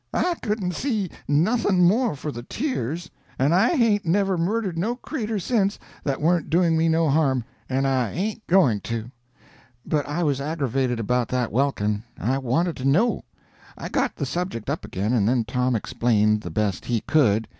I couldn't see nothing more for the tears; and I hain't never murdered no creature since that warn't doing me no harm, and I ain't going to. But I was aggravated about that welkin. I wanted to know. I got the subject up again, and then Tom explained, the best he could.